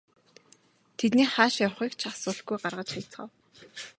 Тэдний хааш явахыг ч асуулгүй гаргаж хаяцгаав.